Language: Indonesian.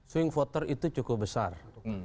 swing voter itu cukup besar